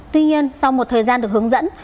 tuy nhiên sau một thời gian được hướng dẫn